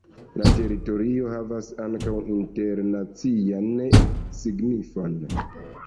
La teritorio havas ankaŭ internacian signifon.